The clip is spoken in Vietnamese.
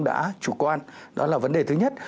đã chủ quan đó là vấn đề thứ nhất